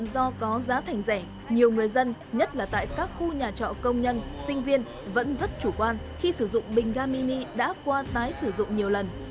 do có giá thành rẻ nhiều người dân nhất là tại các khu nhà trọ công nhân sinh viên vẫn rất chủ quan khi sử dụng bình ga mini đã qua tái sử dụng nhiều lần